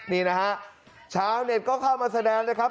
นี่นะฮะชาวเน็ตก็เข้ามาแสดงนะครับ